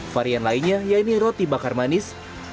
varian lainnya ya ini roti bakar manis